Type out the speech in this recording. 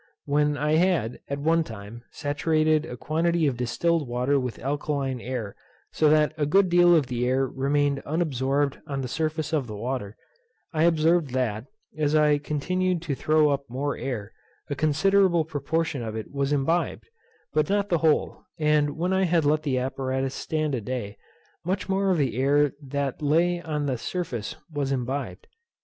When I had, at one time, saturated a quantity of distilled water with alkaline air, so that a good deal of the air remained unabsorbed on the surface of the water, I observed that, as I continued to throw up more air, a considerable proportion of it was imbibed, but not the whole; and when I had let the apparatus stand a day, much more of the air that lay on the surface was imbibed.